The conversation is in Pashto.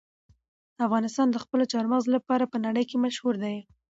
افغانستان د خپلو چار مغز لپاره په نړۍ کې مشهور دی.